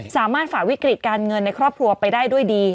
ฝ่าวิกฤตการเงินในครอบครัวไปได้ด้วยดี